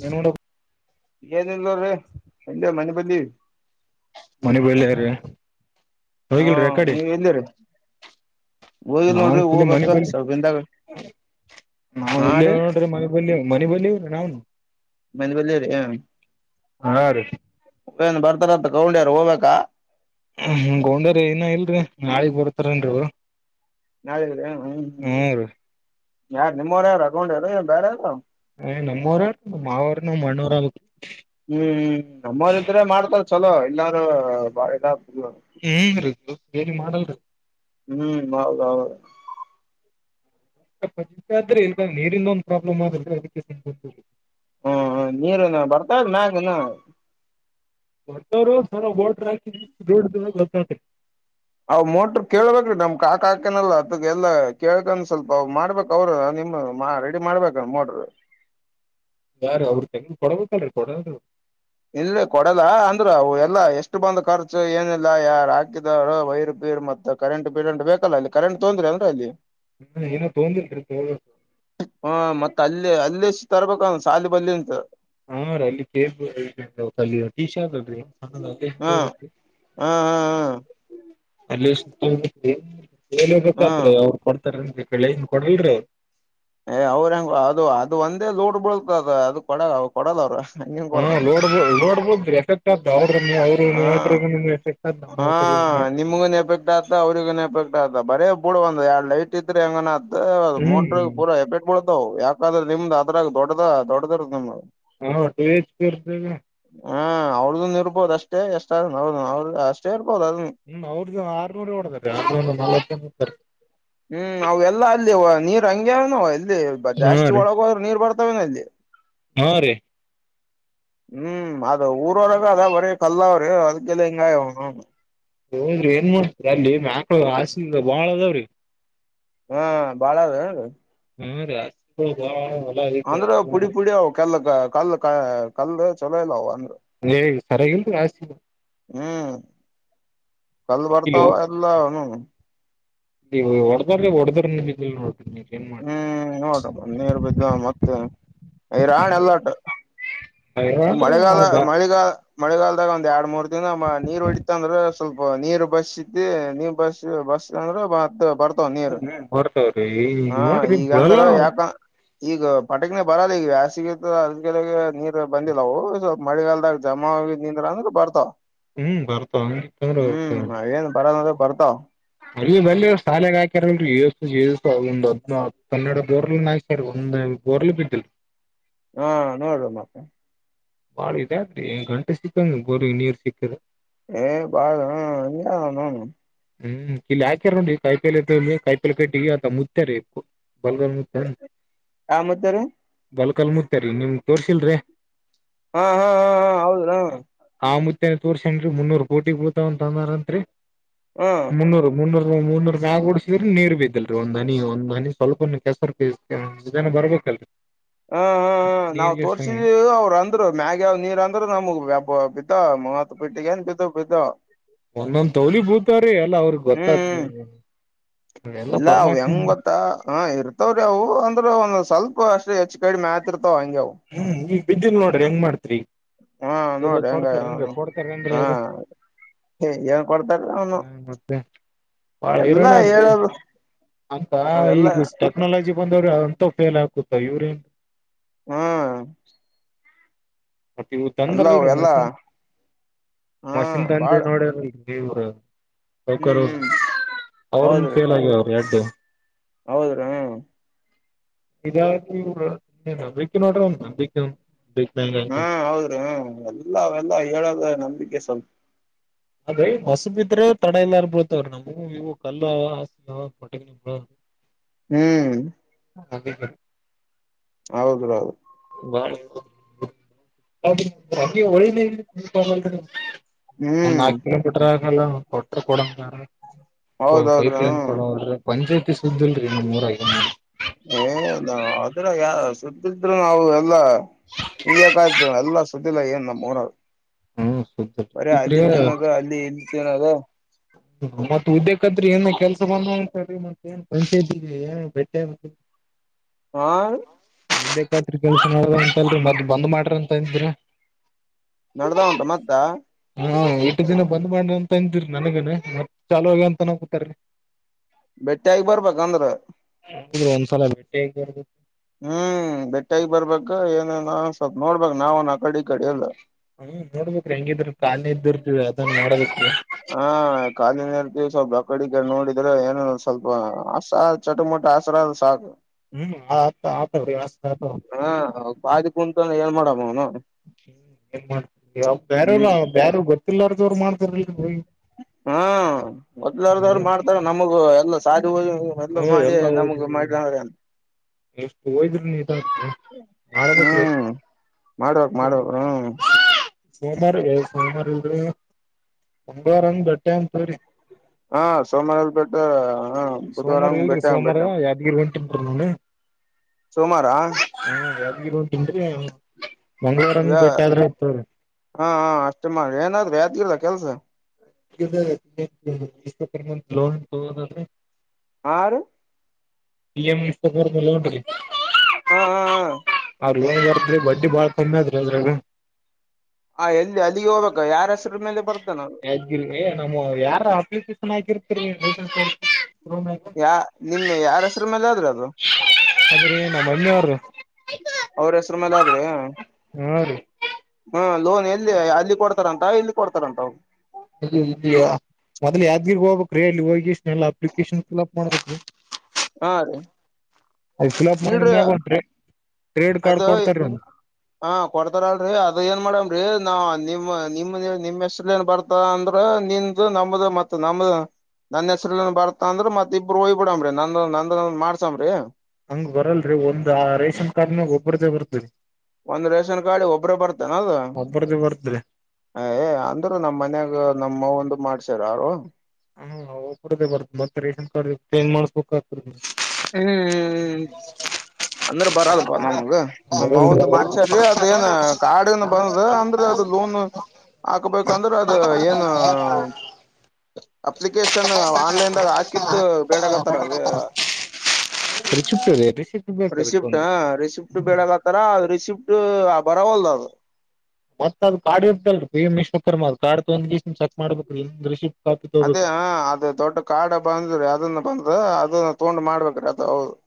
ನಿ ಏನಲ್ಲ ಅವ್ರ ಎಲ್ಲ ಮಣಿಪಲ್ಲಿ ಮನೆ ಬಳ್ಳಾರೀ ಹಾ ನೀವ ಎಲ್ಲಿರಿ ಹೋಗಿಲ್ ನಾವ ನೋಡ್ರಿ ಮನೆ ಹೋಗ್ಬೇಕ ಬ ಸ್ವಲ್ಪ ದಿನದಾಗ ನಾವ ಹಾ ಇಲ್ಲಿ ರೀ ನೋಡ್ರೆ ಮನೆ ಬ ಮನೆ ಬಲಿವ್ರನ್ನು ಮನ ಬಲ್ಲರಿ ಹ ಹಾ ರೀ ಏನ್ ಬರ್ತಾರತ್ತ ಕಗೊಂಡಿಯಾರ ಹೋಗ್ಬೇಕಾ ಹ್ಮ ಗೋಡರ ಏನ ಇಲ್ರಿ ನಾಳಿಗ್ ಬರ್ತಾರನ್ ನಾರ ಹ್ಮ್ ಹ್ಮ್ ರೀ ಯಾರು ನಿಮ್ಮವರ ಯಾರು ಹಗೊಂಡಾರ ಬೇರೆ ಯಾರೋ ನಮ್ಮ್ರ ನ ಮಾವರು ನ ಮಣ್ಣವರ ಹ್ಮ್ ಹ್ಮ್ ನಮ್ಮರ್ ಇದ್ರೆ ಮಾಡ್ತಾರ ಚಲೋ ಎಲ್ಲಾರ ಬಾಳೆಗ ಹಏರದು ಬೇನ್ ಮಾಡಲ್ ಹ್ಮ್ ಹೌದ್ದು ಪ ಆದ್ರೆ ಇ ನೀರಿಂದ ಒಂದಂದು ಪ್ರಾಬ್ಲಮ್ ಆಗ ಅದಕ್ಕೆ ಹ್ಮ್ ನೀರುನ ಬರ್ತದ್ ಮ್ಯಾಗ ನ ಒಟ್ಟವರು ಸರ ಹಾಕಿ ದೊಡ್ ದ ಗೊತ್ತಾ ಅವ್ ಮೋಟ್ರ ಕೇಳ್ಬೇಕ್ರೀ ನಮ್ ಕಾಕಾಕನಲ್ಲ ಅದ ಎಲ್ಲಾ ಕೇಳಗನ್ ಸ್ವಲ್ಪ ಅವ್ ಮಾಡ್ಬೇಕು ಅವ್ರ ನಿಮ ಮಾ ರೆಡಿ ಮಾಡ್ಬೇಕ ನೋಡ್ರರು ಯಾರ ಅವ್ರರು ತಂಗ್ ಕೊಡಬೇಕಲ್ರೀ ಕೊಡರು ಇಲ್ಲ ಕೊಡಲ್ಲ ಅಂದ್ರ ಎಲ್ಲಾ ಎಷ್ಟು ಬಂದ್ ಖರ್ಚು ಏನಿಲ್ಲ ಯಾರ ಹಾಕಿದಾರ ವೈರ್ ಪೀರ್ ಮತ್ ಕರೆಂಟ್ ಬಿಡಂಟ್ ಬೇಕಲ್ಲ ಇಲ್ಲಿ ಕರೆಂಟ್ ತೊಂದ್ರೆ ಅಂದ್ರೆ ಇಲ್ಲಿ ಹ್ಮ ಏನೋ ತೊಂದಿಲ್ರಿ ತೋ ಹಾ ಮತ್ತ ಅಲ್ಲೇ ಅಲ್ಲ ಎಷ್ಟು ತರ್ಬೇಕ ಸಾಲಿ ಬಲ್ಲಿ ಅಂತ ಹಾ ರೀ ಅಲ್ಲಿ ಕೇಬ್ ಟೀ ಶರ್ ಅಲ್ ಹ್ಮ ಹ್ಮ ಹ್ಮ್ ಅಲ್ಲಿ ಹ್ಮ್ ಹೇಬೇಕತ್ ಹ್ಮ್ ಅವ್ರು ಕೊಡ್ತಾರನ್ ಕಳನ್ ಕೊಡಲ್ರರಿ ಏ ಅವ್ಹೆಂಗ ಅದು ಅದು ಒಂದೇ ಲೂಡ್ ಬಳತದ ಅದು ಕೊಡ ಕೊಡಲ್ಲ ಅವರು ಹಂಗಿಂಗ ಕೊಡ್ತಾರ ನ ನೋಡ್ಬೋದು ಎಫೆಕ್ಟ್ ಆದ ಅವ್ರ ಅವ್ರು ಹ ಎಫೆಕ್ಟ್ ಆದ ನಮ್ಮ ಹಾ ನಿಮ್ಗನ್ ಎಫೆಕ್ಟ್ ಆತ ಅವ್ರಗ ಎಫೆಟ್ ಆತ ಬರೇ ಬೂಡ ಒಂದ ಎರಡ್ ಲೈಟ್ ಇದ್ರೆ ಹೆಂಗ ಮೋಟ್ರ ಹ್ಮ್ ಪೂರ ಎಫೆಕ್ಟ್ ಡ್ಬಡ್ದವು ಯಾಕಂದ್ರೆ ನಿಮ್ದ್ ಅದ್ರಾಗ ದೊಡ ದೊಡ್ಡದರ್ದ ನಿಮ್ದ ಹಾಟೇಜ ಕರ್ದಗ ಹಾ ಅವ್ರ್ದನ್ ಇರ್ಬೋದ ಅಷ್ಟೇ ಎಷ್ಟಾದನ್ ಅವ್ರ ಅವ್ರ ಅಷ್ಟೇ ಇರ್ಬೋದು ಅದನ್ನ ಹ್ಮ್ ಅವ್ರದ್ದ ಆರ್ನೂರು ಓಡದಾರೆ ನ ಜತಾರೆ ಹ್ಮ್ ನಾವೆಲ್ಲಾ ಅಲ್ಲಿ ನೀರ್ ಹಂಗಗೆವ ನಾವ ಎಲ್ಲಿ ಹಾ ಜಾಸ್ತಿ ರೀ ಒಳಗೋದ್ರ ನೀರ್ ಬರ್ತಾವನ ಅಲ್ಲಿ ಹಾ ರೀ ಹ್ಮ್ ಅದ ಊರೊಳಗೆ ಅ ಬರ ಕಲ್ಲ ಅವರು ಅದಕ್ಕೆಲ್ಲ ಹೆಂಗಾಯ ಹೋದ್ರಿ ಏನ್ ಮಾಡ್ತರಿ ಅಲ್ಲಿ ಮಕ್ಳ ಆ ಬಾಳ ಅದಾವ್ರಿ ಹಾ ಬಾಳ್ರ ಏರಿ [unintelligible] ಹ್ಮ್ ರೀ [unintelligible] ಹ ಹ [unintelligible] ಅಂದ್ರ ಪುಡಿ ಪುಡಿ ಅವವು ಕಲ್ ಕಲ್ ಕ ಕಲ್ಲ ಚಲೋ ಇಲ್ಲ ಅವ ಅಂದ್ರ [unintelligible] ನೀ ಸರಿಾಗಿ ಆ [unintelligible] ಹ್ಮ್ ಕಲ್ ಬರ್ತಾವ ಎಲ್ಲನು [unintelligible] ನೀವು ಹೊಡದ್ರೀ ಹೊಡದ್ರ ನಿ ನೋಡ [unintelligible] ಹ್ಮ್ ನೋಡ್ರ ನೀರು ಬಿದ್ದ್ ಮತ್ತೆ ಹೈ ರಾಣ ಎಲ್ಲಾಟ [unintelligible] ಮಳೆಗಾಲ ಅದ ಮಳೆಗಾಲ ಮಳೆಗಾಲದಾಗ ಒಂದ್ ಎರಡ್ ಮೂರ್ ದಿನ ನೀರ್ ಹೊಡತಂದ್ರ [unintelligible] ಸ್ವಲ್ಪ ನೀರ್ ಬಸ್ ಇತಿ ನೀ ಬಸ್ ಬಸ್ ಅಂದ್ರ ಬರ್ [unintelligible] ನೀರು ಬರ್ತವ್ರಿ ಹಾ ನೋಡ್ರಿ ಈಗ ಬಿಳಲ್ಲ ಅಂದ್ರ ಯಾಕ [unintelligible] ಈಗ ಪಟಕನ ಬರಲ್ಲ ಈಗ ಯಾಸಗ ಅದ ಕೆಗೆ ನೀರ್ [unintelligible] ಬಂದಿಲ್ಲವು ಸ್ವಲ್ ಮಳಿಗಾಲದಾಗ ಜಮಾ ಆಿದ್ ನಿಂದ್ರ ಅಂದ್ರ ಬರ್ತಾವ ಹ್ಮ್ ಬರ್ತಾವ [unintelligible] ಹ್ಮ್ ಅವೇನ್ ಬರದ ಅದ ಬರ್ತಾವ [unintelligible] ಅ ಅಲ್ಲಿ ಸಾಲೆಗೆ ಹಾಕ್ಯಾರಲ್ದ್ ಕನ್ನಡ ದೋರ್ [unintelligible] ರಿ ಒಂದು ಬೋರ್ಲು ಬಿದ್ದಲ್ ಹಾ ನೋಡುವ ಮತ್ತೆ ಬಾಳ ಇ ಆದ್ರೀ ಗಂಟೆ ಸಿಕ್ಕಂಗ ಬೋರಿ ನೀರ್ ಸಿಕ್ಕದೆ ಏ ಬಾಳ್ ಯ ನನು [unintelligible] ಹ್ಮ್ ಇಲ್ಲಿ ಹಾಕ್ಯಾರನ್ ರ ಕಾಯಿಲ್ ಕಾಯಿಲ್ ಕಟ್ಟಿಗೆ ಆ ಮುತ ರ [unintelligible] ಬಲ್ಗ [unintelligible] ಆ ಮತ್ತಾರೆ [unintelligible] ಬಲಕಲ್ ಮುುತ್ತರಿ ನಿಮ್ ತೋರ್ಸಿಲ್ರರಿ [unintelligible] ಹಾ ಹಾ ಹಾ ಹಾ ಹೌದಾ [unintelligible] ಆ ಮುುತ್ತತ್ ವರ್ಷ ಏನ್ರಿ ಮುನ್ನೂರು ಕೋಟಿ ಬೂತಾವ ಅಂತ ಅಂದಾರಂತ್ರಿ [unintelligible] ಹ್ಮ [unintelligible] ಮುೂರು ಮುನ್ನೂರು ಮುನ್ನೂರು ಬಾಗ ಡಸಿದ್ರೆ ನೀರ್ ಬಿದ್ದಲ್ರಿ ಒಂದ ಹನಿ ಒಂದ ಹನಿ ಸ್ವಲ್ಪ ಕೆಸರ್ [unintelligible] ಜನ ಬರ್ಬೇಕಲ್ರಿ [unintelligible] ಹ್ಮ್ ಹ್ಮ ಹ ನಾವ್ ನೀರ್ಗೆ ತೋರ್ಸಿದ ಅವ್ರ [unintelligible] ಅಂದ್ರರು ಮ್ಯಾಗಾವ್ ನೀರ್ ಅಂದ್ರ ನಮ್ಗ್ಬ್ ಬಿದ್ದ ಮತ್ ಪಿಟ್ಟಿಗೆ ಏನ್ ಬಿದ್ದ ಬಿದ್ದಾವ [unintelligible] ಒಂದೊಂದ್ ತೌಲಿ ಬೂತಾರೀ ಎಲ್ಲ ಅವ್ರಗ್ ಗೊತ್ತ ಹ್ಮ್ [unintelligible] ಇಲ್ಲ ಅವ ಹೆಂಗ್ ಗೊತ್ತ ಹ ಇರುತ್ತ [unintelligible] ವ್ರ ಅವು ಅಂದ್ರೆ ಒಂದ್ ಸ್ವಲ್ಪ ಅಷ್ಟ್ ಹೆಚ್ಚು ಕಡಿ ಮ್ಯಾತಿ ಇರ್ತಾವ ಹಂಗೆಯಾವು ಹ್ಮ್ ಬಿದ್ದಲ್ ನೋಡ್ರಿ ಹೆಂಗ ಮಾಡ್ತ್ರಿ ಹಾ ಎಲ್ಲ ನೋಡಿ ಹೆಂಗ ಕೊಡ್ತಾರೇನ್ರಿ ಕೊಡ್ತಾರೇಏನ್ ಹಾ ಅವರು ಏನ್ ಕೊಡ್ತಾರ ಅವನು ಹ್ಮ ಮತ್ತೆ ಬಾಳ ಎಲ್ಲಾ ಇರೋಣಾದ್ರಿ ಹೇಳದು ಅಂತ ಎಲ್ಲಾ ಈಗ ಟೆಕ್ನಾಲಜಿ ಬಂದವ್ರೆ ಅಂತ ಫೇಲ್ ಆಕುತ್ತ ಇವ್ರೇನ್ ಹ್ಮ್ ಮತ್ತೆ ಇವ ಎಲ್ಲ ತಂದರಲ್ರರಿ ಎಲ್ಲಾ ಮಷಿನ್ ಹಾ ಮಷಿನ್ ತಂದೆ ಬಾಳ ನೋಡರಲ್ರಿ ನೀವ ಹ್ಮ್ ಸೌಕರ್ ಹ್ಮ್ ಅವ್ರ ಫೇಲ್ ಆಗ ಎರಡು ಹೌದ್ರಾ ಇರ ನಂಬುಡ್ರ ನಂಬ ಹ್ಮ ಹೌದ್ರಿ ಹ ಎಲ್ಲೆಲ್ಲಾ ಹೇಳೋದ ನಂಬಿಕೆ ಸ್ವಲ್ಪ ಅದೆ ಹೊಸ ಬಿದ್ರೆ ತಡ ಎ ಇಲ್ಲರ್ಬಳ್ತವ್ರ ನಮ್ಗೆ ಹ ಇವು ಕಲ್ಲ ಹ ಹೊಟ್ಟಗ ಹ್ಮ್ ಹ ಹದೇ ಹೌದು ಹೌದು ಳ ಒಂದ್ ಹ್ಮ್ ನಾಕಕ್ ಕಿಲೋಮೀಟರ್ ಆಗಲ್ಲ ಕೊಟ್ರ ಕೊಡದ ಹೌದೌದ್ರ ಪೈಪ್ ಲೈನ್ ಕೊಡದ್ರ ಪಂಚಾಯಿತಿ ಸುದ್ದಲ್ರರಿ ನೀ ಮೂರ ಏ ಅದ್ರ ಯ ಸ್ದಿದ್ರರು ನಾವು ಎಲ್ಲಾ ಹಂಗ ಯಾಕಾಯ್ತಿ ಎಲ್ಲ ಸ್ದಿಲ್ಲ ಏನ್ ನಮ್ಮನರು ಹ್ಮ್ ಸುದ್ದಿಲ್ರಿ ಬರಿ ಇದ್ರಿ ಅಲ್ಲಿ ತಿನ್ನದ ಅಲ್ಲಿ ಇಲ್ಲಿ ತಿನ್ನದ ಹ ಮತ್ತ ಉದ್ದೇಕತ್ರಿ ಏನ್ ಕೆಲ್ಸ ಬಂದ ಮತ್ತ ಏನ್ ಪಂಚಾಯತಿಗೆ ಏನ್ ಬ [inaudible] ಹಾ ಎಂದ್ಕತ್ರಿ ಕೆಲ್ಸ ಮಾಡೋ ಅಂತಲ್ರಿ ಮದ್ ಬಂದ್ ಮಾಡ್ರಿ ಅಂತ ಅಂದಿರ ನಡ್ದ ಉಂತ ಮತ್ತ ಹಾ ಎಟ್ಟು ದಿನ ಬಂದ್ ಮಾಡಿ ಅಂತ ಅಂತಿರಿ ನನಗನ ಮತ್ ಚಾ ಆಗ ಅಂತನ ಕೂತಾರರಿ ಹ ಬೆಟ್ಟಿ ಆಗಿ ಬರ್ಬಂದ್ರ ಹೌದ್ರ ಒಂದ್ಸಲ ಬೆಟ್ಟಿರ್ ಹ್ಮ್ ಬೆಟ್ಟಗ ಬರ್ಬ ಏನ ಸ್ವಲ್ಪ ನೋಡ್ಬೇಕ್ ನಾವ ನ ಕಡೆ ಈ ಕಡೆ ಎಲ್ಲ ಹ್ಮ್ ನೋಡ್ಬೇಕೇರಿ ಹೆಂಗಿದ್ರ ಕಾಲಿ ಇದ ಇರ್ತವಿ ಅದನ್ನ ನೋಡಬೇಕು ಹಾ ಕಾಲಿನ ಇರ್ತೀವಿ ಸ್ವಲ್ಪ ಅಕ್ಕಡಿಗೆ ನೋಡಿದ್ರೆ ಏನ ಸ್ವಲ್ಪ ಹಸ ಚೊಟ ಮೊಟ ಆಸರ ಸಾಕ [unintelligible] ಹ್ಮ್ ಆತವಸ್ ಹಾ ಬಾದಿ ಕುಂತ ಏನ್ ಮಾಡಮ್ಮ ಅವನು ಹ್ಮ್ ಏನ್ ಮಾಡ್ತ ಅವ ಬೇರ್ರ ಹ್ಮ್ ಬ್ಯಾರ ಗೊತ್ತಿಲ್ಲಾರ್ದ ಅವ್ರು ಮಾಡ್ತಾರ ಹಾ ಮೊದ್ಲಾರದವ್ರು ಮಾಡ್ತಾರ ನಮಗ ಎಲ್ಲ ಸಾಧ ಹ ಎಲ್ಲ ಹದು ಎಷ್ಟು ಹೋಯದ್ರರು ನೀ ಮಾಡಬೇಕ್ರ ಹ್ಮ್ ಮಾಡ್ಬೇಕ್ ಮಾಡ್ಬೇಕ್ ಹ್ಮ್ ಸೋಮಾರ ಸೋಮಾರ ಒಂಬಾರಂಗ ಗಟ್ಟೆ ಅಂತರಿ ಹಾ ಸೋಮವಾರ ಬೆೇಟ ಹ ಬುಧವಾರ ಭೇಟೆ ಬೇಟ ನೀಂಟಿ ಸೋಮಾರಾ ಹಾ ಯ ಇಟನ್ರಿ ಮಂಗಗಳವಾರಂಗ ಹಾ ಬೆೇಟ್ಟೆ ಆದ್ರೆ ಇತವ್ರೀ ಹಾ ಅಷ್ಟೇ ಮಾಡ್ರಿ ಏನಾದ್ ಅಲ್ಲ ಕೆಲ್ಸ ಇಷ್ಟ ಪಮ ಲೋನ್ ತೋದಲ್ [unintelligible] ಆರು [unintelligible] ಇ ಎಲ್ಲಂಟದೆ [unintelligible] ಹಾ ಅವ್ರ ಹಾರದ್ರೀ ಬಡ್ಡಿ ಬಾಳ ಕಮ್ಮಿ ಆದ್ರಿ ಅದ್ರ [unintelligible] ಹ ಎಲ್ಲಿ ಅಲ್ಲಿಗೆ ಹೋಗ್ಬೇಕ ಯಾರ ಹೆಸ್ರ ಮೇಲೆ ಬರ್ತಾನ [unintelligible] ನಮ್ ಯಾರ ಅಪ್ಲಿಕೇಶನ್ ಆಕಿರ್ತರಿ ಲಸನ್ [unintelligible] ಯಾ ನಿಮೆ ಯಾರ ಹೆಸರು ಮೇಲೆ ಆದ್ರೂ ಅದು [unintelligible] ಅದ್ರೀ ನಮ್ಮ ಮಮ್ಮಿಯವ್ರು ಅವ್ರ ಹೆಸರು ಮೇಲದ್ರೆ [unintelligible] ಹಾ ರೀ ಹಾ ಲೋನ್ ಎಲ್ಲಿ ಅಲ್ಲಿ ಕೊಡ್ತಾರಂತ ಇಲ್ಲಿ ಕೊಡ್ತಾರಂತ [unintelligible] ಮೊದ್ ಯಾದಗಿರಿ ಹೋಗ್ಬೇಕ್ರೀ ಎಲ್ಲಿ ಹೋಗಿಷ್ಟ ಎಲ್ಲಾ ಅಪ್ಲಿಕೇಶನ್ ಫಿಲ್ಅಪ್ ಮಾಡ್ಬೇಕೀ [unintelligible] ಹಾ ಅದದೆ [unintelligible] ಅ ಫಲ್ಅಪ್ ಮಾಡಿದಾಗ ಒಂಧ ಟ್ರೇಡ್ ಕಾರ್ಡ್ ಅದು ಕೊಡ್ತಾರೀ ಒಂದು [unintelligible] ಹಾ ಕೊಡ್ತಾರಲ್ರರಿ ಅದ ಏನ್ ಮಾಡಮ್ರೀ ನಾವ ನಿಮ್ಮ್ ನಿಮ್ ನಿಮ್ಮ್ ಹೆಸ್ ಏನ್ ಬರ್ತ [unintelligible] ಅಂದ್ರೆ ನಿಂದುದು ನಮ್ದ ಮತ್ತ ನಮ್ದ [unintelligible] ನನ್ ಹೆಸ್ರ ಬರ್ತ ಅಂದ್ರ ಮತ್ ಇಬ್ಬರು ಹಯ್ಬ ಬಿಡಾಮ್ರಿ ನಂದ ನಂದ ಮಾಡಸಮ್ರಿ ಹಂಗ್ ಬರಲ್ರಿ ಒಂದ್ ಆ ರೇಷನ್ ಕಾರ್ಡ್ ಮೇಾಗ ಒಬ್ಬರ್ದೇ ಬರ್ದರಿ [unintelligible] ಒಂದ್ ರೇಷನ್ ಕಾರ್ಡಿ ಒಬ್ರ ಬರ್ತಾನದು ಒಬ್ಬರದೇ [unintelligible] ಬರ್ತರಿ ಅ ಏ ಅಂದ್ರೂ ನಮ್ಮ್ ಮನ್ಯಾಗ ನಮ್ಮ್ವ ಒಂದು ಮಾಡ್ಸಾರ ಯಾರು [unintelligible] ಹಾಬದೇ ಬರ್ ಮತ್ತೆ ರೇಷನ್ ಕಾರ್ಡ್ ಪಏನ್ ಮಾಡ್ಬೇಕಕ್ ಆಗ್ತ [unintelligible] ಹ್ಮ್ ಹ್ಮ್ ಹ್ಮ್ ಅಂದ್ರ ಬರಲ್ ಬ ನಮ್ಗ [unintelligible] ನಮ್ಮವಂದ ಮಾಡ್ಸಾರ್ರೀ ಅದ ಏನ್ ಕಾಡ ನ್ ಬಂದ ಅಂದ್ರ ಅದು ಲೋನ್ [unintelligible] ಹಾಕ್ಬೇಕಂದ್ರೆ ಅದ ಏನು [unintelligible] ಅಪ್ಲಿಕೇಶನ್ ಆನ್ಲೈನ್ದಾಗ ಹಾಕಿದ್ದು ಬೇಡಗತ್ತಾರ ಅದ [unintelligible] ಚಿಪ್ದೆ ರಿಚಿಟ್ಟ ಬೇಕ ಅದಕ್ಕೊಂದು [unintelligible] ಹ ರಿಸಿಪ್ಟ್ ಬೇಡಕ್ ಹತ್ತಾರ ಅ ರಿಸಿಪ್ಟ್ ಬರವಲ್ದ ಅದು [unintelligible] ಮತ್ತ ಅದು ಕಾರ್ಡ್ ಇರ್ತಲ್ರಿ ಪಿ ಎಂ ವಿಶ್ವಕ್ಕರ್ಮ ಅ ಕಾರ್ಡ್ ಒಂದ ದಿವಸ ಚಕ್ ಮಾಡ್ಬೇಕ ಇ ರಿ [unintelligible] ಅದೇ ಅದ ದೊಡ್ಡ ಕಾಡ ಬಂದ್ರೀ ಅದನ್ನ ಬಂದು ಅದನ್ನ ತೊಂಡು ಮಾಡ್ಬೇಕ್ರೀ ಅದ ಹೌದು [unintelligible]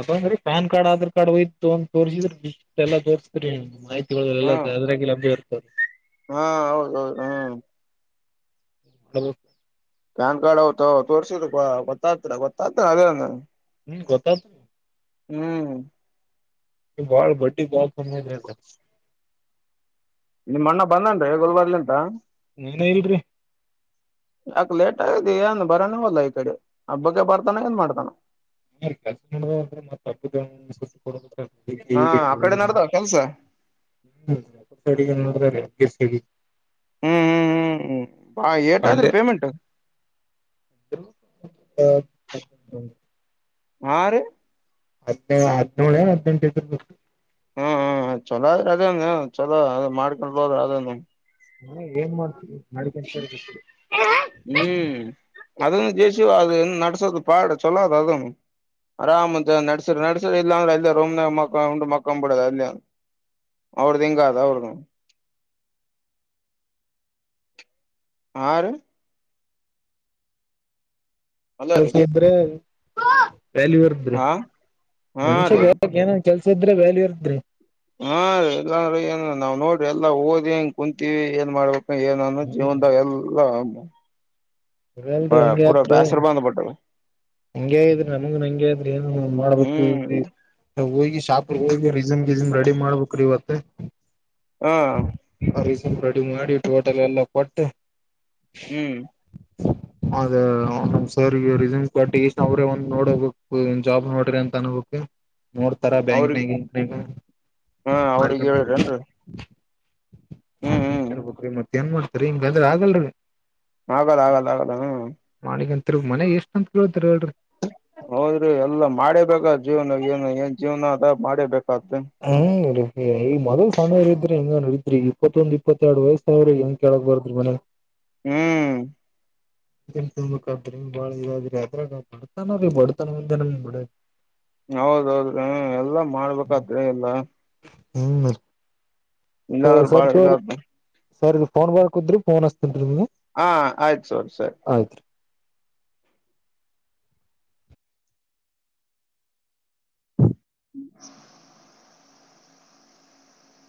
ಅಪ್ಪ ಅಂದ್ರೀ ಪ್ಯಾನ್ ಕಾರ್ಡ್ ಆಧಾರ್ ಕಾರ್ಡ್ ಹಯ್ತು ಅಂತ ತೋರ್ರಿಸಿದ್ರಿಸ ಎಲ್ಲ ತೋರ್ಸಿದ್ರಿ [unintelligible] ಲ್ಲ ಹ್ಮ್ ಅದರಾಗಿ ಲಭಿ ಇರ್ತದೆ [unintelligible] ಹಾ ಹೌದ ಹೌದು ಹ್ಮ್ ಹ ಪ್ಯಾನ್ ಕಾರ್ಡ್ ಅವ ತೋರ್ಸಿದ ಗೊತ್ತಾಗ್ತರ ಗೊತ್ತಾತ ಅದೇ ಹ್ಮ್ ಗೊತ್ತಾದ್ ಹ್ಮ್ ಈ ಬಾಳ್ ಬಡ್ಡಿ ಬಾಳ್ ಕಮ್ಮ ಇದ್ರೆ ಅ [inaudible] ನಿಮ್ ಅಣ್ಣ ಬಂದನ್ರಿ ಗೊಲ್ಬರ್ಲಿಂತ ನೀನ್ ಇಲ್ರಿ ಯಾಕ ಲೇಟ್ ಆಗಿದೆ ಅಏನ್ ಬರಾನೇವಲ್ಲ ಈ ಕಡೆ ಹಬ್ಬಕ್ಕೆ ಬರ್ತಾನ ಎನ್ ಮಾಡ್ತಾನ ಕೆಲಸ ಮಾಡೋಂದ್ರೆತ್ತ ತಪ್ಪು ಸ್ದಿ ಕೊಡ ಹಾ ಆ ಕಡೆ [inaudible] ನಡ್ದಾವ ಕೆಲ್ಸ ಹ್ಮಡಿಸ ಹ್ಮ್ ಹ್ಮ್ ಹ್ಮ್ ಹ್ಮ್ ಬಾ ಏಟಾದ್ರರು ಪೇಮೆಂಟ್ ಹ ಆರು ಹದ್ಳ ಹದ್ನೇಳೆ ಹದ್ಟ ಇದದುರ ಬು ಹ್ಮ್ ಹ್ಮ್ ಚಲೋದ್ರೆ ಅದೇನು ಚಲೋ ಅದು ಮಾಡ್ಕೊಂಡ್ ಹೋದ್ರ ಅದೇನು ಮ ಏನ್ ಮಾಡ್ತೀವಿ ನಡಿಕೆ ಸರು ಹ್ಮ್ ಅದು ಜೇಷಿವ ಅ ನಸೋದು ಪಾಡ ಚಲ್ಲ ಅದ ಆರಾಮ್ಂತ ನಡ್ಸಿರ್ ನಡ್ಸರ್ ಇಲ್ಲ ಅಂದ್ರ ಅಲ್ಲೇ ರೋಮ್ ಮ ಉಂಡ್ ಮಕ್ಕಕೊಂಡ್ ಬಿಡದ ಅಲ್ಲಿಂದ ಅವ್ರ್ದಂಗಾ ಅದು ಅವ್ರ್ದ ಆ ಅಲ್ಲ ರೀ ವ್ಯಾಲ್ಯೂ ಇರ್ದ್ರಿ ಹಾ ಹಾ ರೀ ಮನ್ಷ್ಯಗ್ ಹಕ್ ಏನ ಕೆಲ್ಸ ಇದ್ರೆ ವ್ಯಾಲ್ಯೂ ಇ ಇದ್ರಿ ಹಾ ರ ಇಲ್ಲ ಏನ್ ನಾವ್ ನೋಡ್ರಿ ಎಲ್ಲಾ ಓದ್ ಹೆಂಗ ಕುಂತೀವಿ ಏನ್ ಮಾಡ್ಬೇಕ ಏನಾನ ಹ್ಮ್ ಜೀವನದ ಎಲ್ಲ ಅ ಇ ಅಲ್ರಿ ಹಂಗಗೆಯಾತ್ರಿ ಬಂಧಟ್ಟಳ ಹಂಗಗೆ ಇದ್ರಿ ನಮಗ ಹಂ ಏನು ಮಾಡ್ಬೇಕು ಹ್ಮ್ ಇ ಹೋಗಿ ಶಾಪ ಹೋಗಿ ರೀಸನ್ ಗಿಸನ್ ರೆಡಿ ಮಾಡ್ಬೇಕ್ರೀ ಇವತ್ತ ಹಾ ಅ ಸ್ವಪ ರೆಡಿ ಮಾಡಿ ಟೋಟಲ್ ಎಲ್ಲ ಕೊಟ್ಟು ಹ್ಮ್ ಅದೇ ನಮ ಸಾರಿಗೆನ್ ಬಟ್ ಈ ಅವ್ರೇ ಒಂದು ನೋಡಬೇಕುನ್ ಜಾಬ್ ನೋಡ್ರಿ ಅಂತ ಅನ್ಬೇಕು ನೋಡ್ತರ ಅವ್ರಿಗೆ ಬ್ಯಾಂಕ್ನಾಗ ಹಾ ಅವ್ರಿಗೆ ಮಾಡ್ಕೊಂಡ ಹೇಳಿರೇನ್ರಿ ಹ್ಮ್ ಹ್ಮ್ ತರ್ ಬಕ್ ಮತ್ತತ್ ಏನ್ ಮಾಡ್ತರಿ ಹಿಂಗ್ ಬೆದ್ರ ಆಗಲ್ರರಿ ಆಗದ ಆಗಲ್ಲ ಆಗದ ಹ್ಮ ಮಿಗಂತತ್ರಿ ಮನೆ ಎಷ್ಟ ಅಂತ ಕೇಳ್ತರಿ ಹೇಳ್ರಿ ಹೋದ್ರಿ ಎಲ್ಲಾ ಮಾಡೇಬೇಕ ಜೀವನ ಏನು ಏನ್ ಜೀವನ ಅದ ಮಾಡೇಬೇಕತ್ ಹ್ಮ್ ಈ ಮೊದಲ್ ಸಣ್ಣರ ಇದ್ರೆ ಹಿಂಗ ನಡಿದ್ರಿ ಇಪ್ಪತ್ತೊಂದು ಇಪ್ಪತ್ತೆರಡು ವಯಸ್ಸ ಅವ್ರೀ ಏನ್ ಕೇಳಕ್ ಬರ್ದ್ರಿ ಮನಿ ಹ್ಮ ತುಂಬಕ್ಬಾಳ ಇದಾದ್ರಿ ಅದ್ರಾಗ ಬಡ್ತಾನೀ ಬಡ್ತಾನ ಮಂದ ಬಡ ಹೌದೌದ್ರೀ ಎಲ್ಲಾ ಮಾಡ್ಬೇಕಾದ್ರೆ ಎಲ್ಲ ಹ್ಮ್ ಸ ಇಲ್ಲಾಂದ್ರ ಬಾಳ ಸರ್ ತೋ ಇದ ಸರಿ ಫೋನ್ ಬ ಕುದ್ರಿ ಫೋನ್ ಹಸ್ತೇನ್ ರೀ ನಿಮ್ಗೆ ಹಾ ಆಯ್ತು ಸೋರ್ ಸರಿ ಆಯ್ತು ಹ್ಮ [unintelligible]